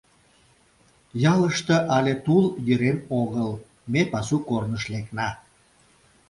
Ялыште але тул йӧрен огыл, ме пасу корныш лекна.